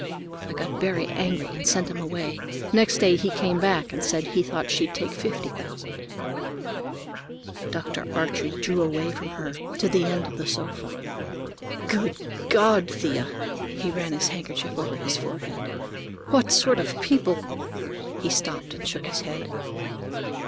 I got very angry and sent him away. Next day he came back and said he thought she'd take fifty thousand." Dr. Archie drew away from her, to the end of the sofa. "Good God, Thea,"—He ran his handkerchief over his forehead. "What sort of people—" He stopped and shook his head.